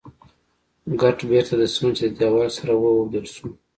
ګټ بېرته د سمڅې د دېوال سره واوبدل شو.